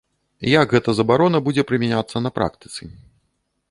Як гэта забарона будзе прымяняцца на практыцы?